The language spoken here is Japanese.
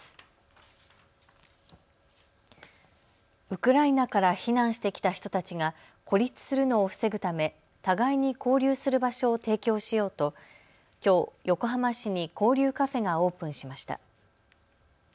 ウクライナから避難してきた人たちが孤立するのを防ぐため互いに交流する場所を提供しようと、きょう横浜市に交流カフェがオープンしました。